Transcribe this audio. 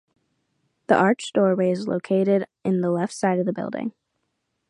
The arched doorway is located in the left side of the building.